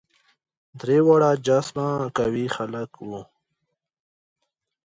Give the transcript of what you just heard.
درې واړه جسما قوي خلک وه.